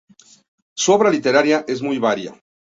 Su obra literaria es muy varia.